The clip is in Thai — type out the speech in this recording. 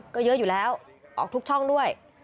ก็เยอะอยู่แล้วออกทุกช่องด้วย